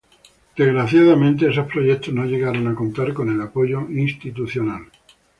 Desgraciadamente, esos proyectos no llegaron a contar con el apoyo institucional.